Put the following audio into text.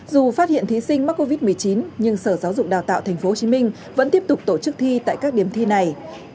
dù phát hiện thí sinh mắc covid một mươi chín nhưng sở giáo dục đào tạo tp hcm vẫn tiếp tục tổ chức thi tại các điểm thi này